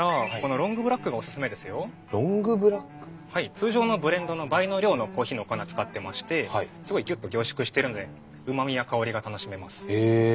通常のブレンドの倍の量のコーヒーの粉使ってましてすごいギュッと凝縮してるのでへえあっ